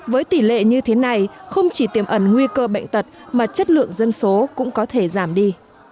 với tỷ lệ như thế này không chỉ tiềm ẩn nguy cơ bệnh tật mà chất lượng dân số cũng có thể giảm đi